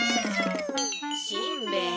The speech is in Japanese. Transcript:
しんべヱ。